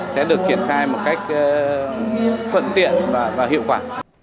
sẽ được triển khai một cách thuận tiện và hiệu quả